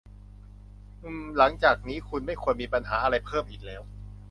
งั้น หลังจากนี้คุณไม่ควรมีปัญหาอะไรเพิ่มอีกแล้ว